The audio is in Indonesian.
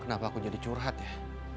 kenapa aku jadi curhat ya